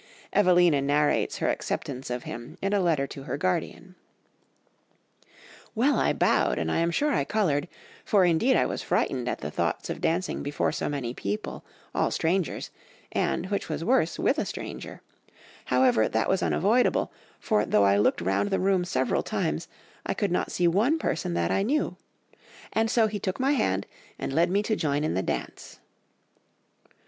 Evelina narrates her acceptance of him in a letter to her guardian— "Well, I bowed, and I am sure I coloured; for indeed I was frightened at the thoughts of dancing before so many people, all strangers, and, which was worse, with a stranger; however, that was unavoidable; for, though I looked round the room several times, I could not see one person that I knew. And so he took my hand and led me to join in the dance."